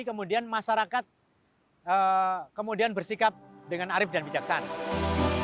kemudian masyarakat kemudian bersikap dengan arif dan bijaksana